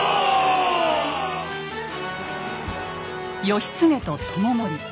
義経と知盛。